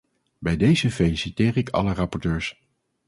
Bij dezen feliciteer ik alle rapporteurs.